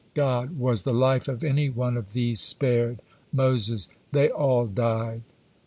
God: "Was the life of any one of these spared?" Moses: "They all died."